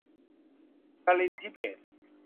นรินทร์ธิเบศร์